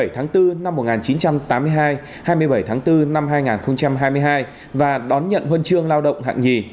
hai mươi tháng bốn năm một nghìn chín trăm tám mươi hai hai mươi bảy tháng bốn năm hai nghìn hai mươi hai và đón nhận huân chương lao động hạng nhì